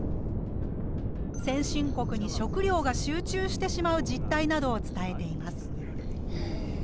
先進国に食料が集中してしまう実態などを伝えています。